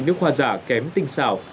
nước hoa giả kém tinh xào